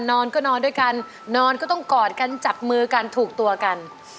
นอนก็นอนด้วยกันนอนก็ต้องกอดกันจับมือกันถูกตัวกัน